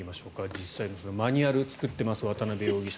実際にマニュアルを作っています渡邊容疑者。